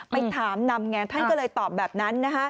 ไปถามนำไงท่านก็เลยตอบแบบนั้น